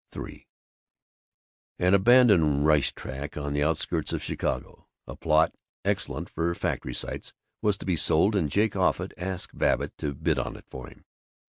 III An abandoned race track on the outskirts of Chicago, a plot excellent for factory sites, was to be sold, and Jake Offut asked Babbitt to bid on it for him.